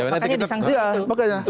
makanya disangsinya itu